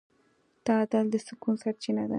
تعادل د سکون سرچینه ده.